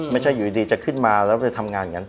ไม่ใช่อยู่ดีจะขึ้นมาแล้วไปทำงานอย่างนั้น